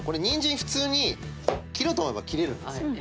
普通に切ろうと思えば切れるんですよ